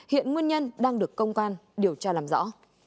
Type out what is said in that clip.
hiện nguyên nhân đang được công an điều tra làm rõ